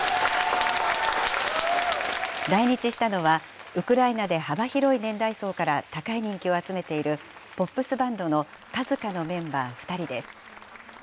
来日したのは、ウクライナで幅広い年代層から高い人気を集めているポップスバンドのＫＡＺＫＡのメンバー２人です。